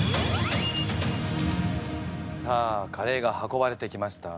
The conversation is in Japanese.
さあカレーが運ばれてきました。